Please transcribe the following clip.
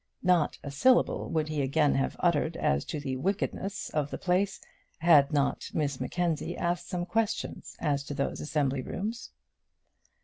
Not a syllable would he again have uttered as to the wickednesses of the place, had not Miss Mackenzie asked some questions as to those assembly rooms.